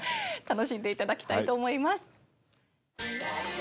楽しんで頂きたいと思います！